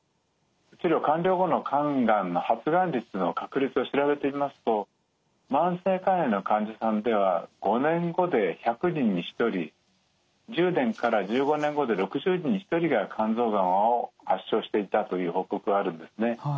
治療完了後の肝がんの発がん率の確率を調べてみますと慢性肝炎の患者さんでは５年後で１００人に１人１０年から１５年後で６０人に１人が肝臓がんを発症していたという報告があるんですね。